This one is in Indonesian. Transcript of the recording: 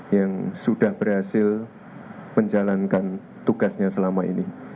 yang sudah berhasil menjalankan tugasnya selama ini